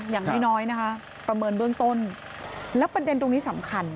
อย่างน้อยนะคะประเมินเบื้องต้นแล้วประเด็นตรงนี้สำคัญ